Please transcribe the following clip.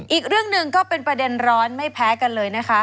อีกเรื่องหนึ่งก็เป็นประเด็นร้อนไม่แพ้กันเลยนะคะ